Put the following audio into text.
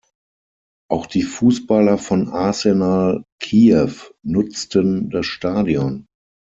Auch die Fußballer von Arsenal Kiew nutzten das Stadion.